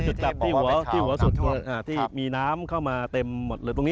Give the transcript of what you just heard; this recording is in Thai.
จุดกลับที่หัวสุดที่มีน้ำเข้ามาเต็มหมดเลย